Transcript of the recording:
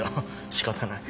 しかたない。